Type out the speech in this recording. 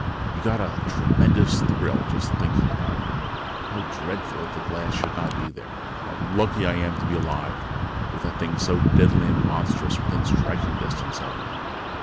You got a tremendous thrill in just thinking: How dreadful if the glass should not be there! How lucky I am to be alive, with a thing so deadly and monstrous within striking distance of me!